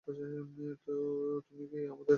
তো তুমি কি আমার ডায়ান কিটেন হবে?